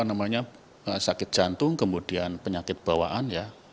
rata rata juga ada sakit jantung kemudian penyakit bawaan ya